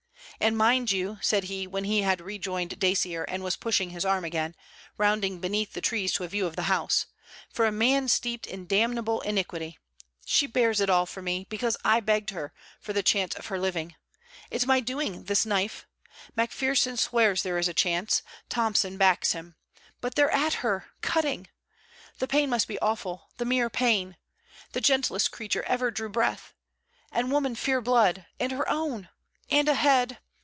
'And mind you,' said he, when he had rejoined Dacier and was pushing his arm again, rounding beneath the trees to a view of the house, 'for a man steeped in damnable iniquity! She bears it all for me, because I begged her, for the chance of her living. It's my doing this knife! Macpherson swears there is a chance. Thomson backs him. But they're at her, cutting! ... The pain must be awful the mere pain! The gentlest creature ever drew breath! And women fear blood and her own! And a head!